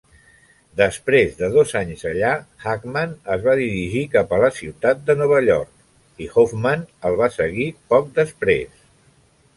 Després de dos anys allà, Hackman es va dirigir cap a la ciutat de Nova York, i Hoffman el va seguir poc després.